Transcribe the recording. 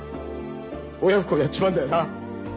親不孝やっちまうんだよな。